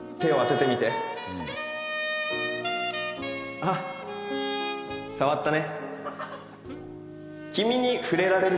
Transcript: あ触ったね。